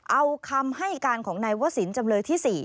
เอาคำให้การของนายวศิลปจำเลยที่๔